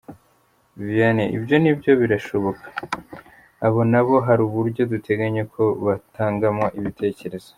Vianney: Ibyo nibyo birashoboka, abo nabo hari uburyo duteganya ko batangamo ibitekerezo.